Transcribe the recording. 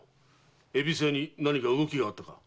恵比寿屋に何か動きがあったか？